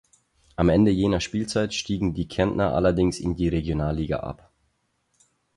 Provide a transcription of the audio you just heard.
Am Ende jener Spielzeit stiegen die Kärntner allerdings in die Regionalliga ab.